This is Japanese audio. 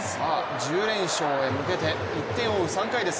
１０連勝へ向けて１点を追う３回です。